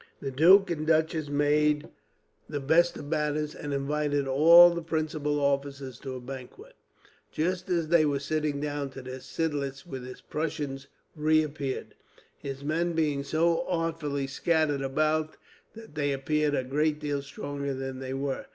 The duke and duchess made the best of matters, and invited all the principal officers to a banquet. Just as they were sitting down to this, Seidlitz with his Prussians reappeared; his men being so artfully scattered about that they appeared a great deal stronger than they were.